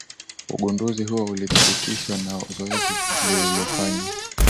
Ugunduzi huo ulithibitishwa na zoezi lililofanywa.